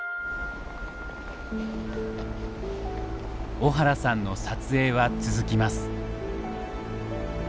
小原さんの撮影は続きます。